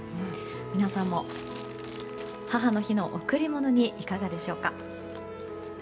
皆さんも、母の日の贈り物にいかがでしょうか。